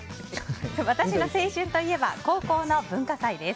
私の青春といえば高校の文化祭です。